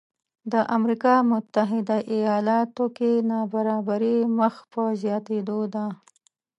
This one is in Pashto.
د امریکا متحده ایالاتو کې نابرابري مخ په زیاتېدو ده